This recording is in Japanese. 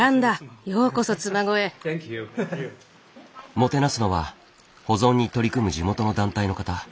もてなすのは保存に取り組む地元の団体の方。